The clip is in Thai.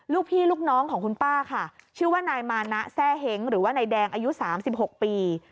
ลูกพี่ลูกน้องของคุณป้าค่ะชื่อว่านายมานะแซ่เห้งหรือว่านายแดงอายุ๓๖ปี